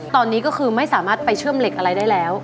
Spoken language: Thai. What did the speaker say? ตอนนี้ก็คือไม่สามารถไปเชื่อมเหล็กอะไรได้แล้ว